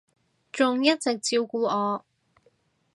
仲一直照顧我